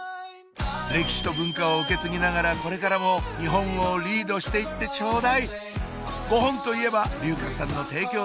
歴史と文化を受け継ぎながらこれからも日本をリードしていってちょうだい！